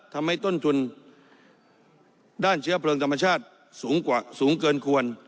ทำให้ต้นทุนด้านเชื้อเพลิงธรรมชาติสูงกว่าสูงเกินควร